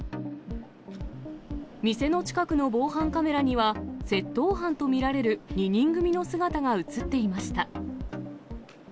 店の近くの防犯カメラには、窃盗犯と見られる２人組の姿が写っていました。